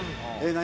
何？